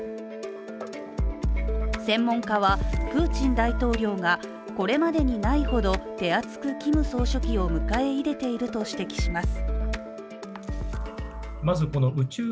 専門家は、プーチン大統領がこれまでにないほど手厚くキム総書記を迎え入れていると指摘します。